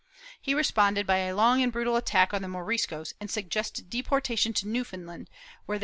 He responded by a long and brutal attack on the Moriscos, and suggested deportation to Newfoundland, where they would speed > Bleda, Coronica, p.